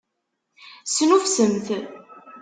Snuffsemt!